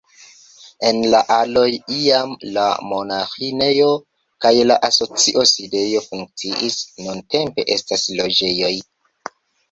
En la aloj iam la monaĥinejo kaj la asocia sidejo funkciis, nuntempe estas loĝejoj.